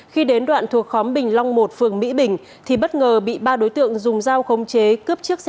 khi đến đoạn thuộc khóm bình long một phường mỹ bình